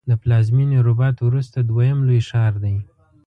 د پلازمېنې رباط وروسته دویم لوی ښار دی.